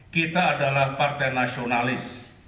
kita adalah partai nasionalis